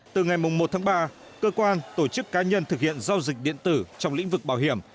từ ngày một tháng ba cơ quan tổ chức cá nhân thực hiện giao dịch điện tử trong lĩnh vực bảo hiểm